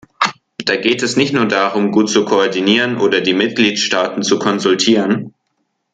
Da geht es nicht nur darum, gut zu koordinieren oder die Mitgliedstaaten zu konsultieren.